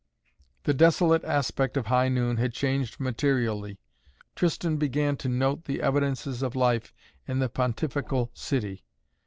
The desolate aspect of high noon had changed materially. Tristan began to note the evidences of life in the Pontifical City.